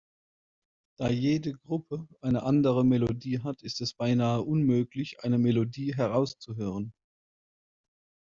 Da jede Gruppe eine andere Melodie hat, ist es beinahe unmöglich eine Melodie herauszuhören.